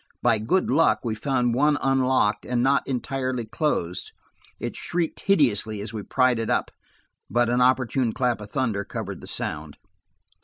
By good luck, we found one unlocked and not entirely closed; it shrieked hideously as we pried it up, but an opportune clap of thunder covered the sound.